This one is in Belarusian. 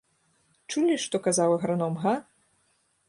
Чулі, што казаў аграном, га?